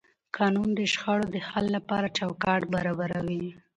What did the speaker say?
قانون د شخړو د حل لپاره چوکاټ برابروي.